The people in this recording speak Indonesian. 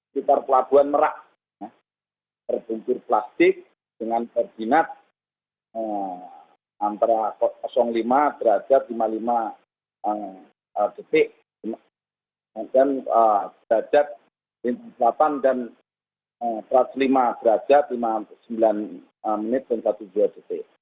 sekitar pelabuhan merak terbentur plastik dengan perginat antara lima derajat lima puluh lima detik dan derajat dua puluh delapan dan tiga ratus lima derajat lima puluh sembilan menit dan tujuh belas detik